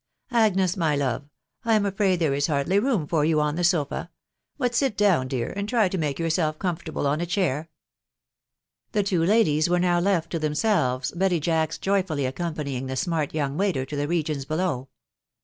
... Agnes, my love, I am afraid there is hardly room for you on the sofa ; but sit down, dear, and try to make yourself comfortable on a chair/' The two ladies were now left to themselves, Betty Jacks joyfully accompanying the smart young waiter to the regions . below.